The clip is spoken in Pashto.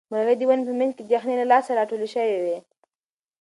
مرغۍ د ونې په منځ کې د یخنۍ له لاسه راټولې شوې وې.